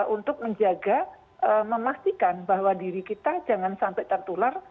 untuk menjaga memastikan bahwa diri kita jangan sampai tertular